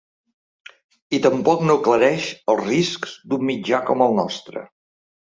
I tampoc no aclareix els riscs d’un mitjà com el nostre.